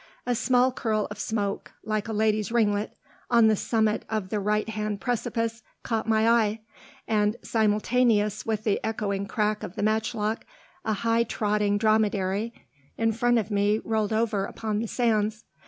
A small curl of smoke, like a lady's ringlet, on the summit of the right hand precipice, caught my eye, and simultaneous with the echoing crack of the matchlock a high trotting dromedary in front of me rolled over upon the sands.